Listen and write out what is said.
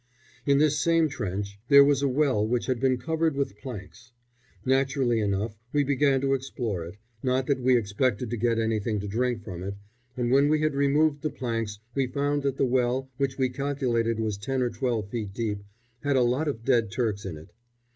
In this same trench there was a well which had been covered with planks. Naturally enough we began to explore it, not that we expected to get anything to drink from it, and when we had removed the planks we found that the well, which we calculated was ten or twelve feet deep, had a lot of dead Turks in it.